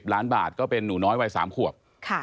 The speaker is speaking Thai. ล้านบาทก็เป็นหนูน้อยวัย๓ขวบ